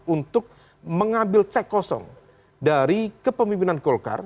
untuk mengambil cek kosong dari kepemimpinan golkar